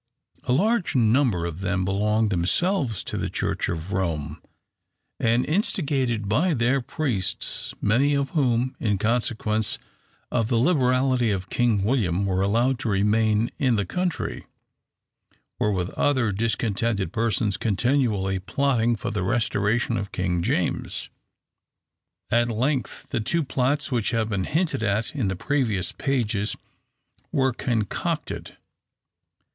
A large number of them belonged themselves to the Church of Rome, and, instigated by their priests, many of whom, in consequence of the liberality of King William, were allowed to remain in the country, were with other discontented persons continually plotting for the restoration of King James. At length, the two plots which have been hinted at in the previous pages were concocted.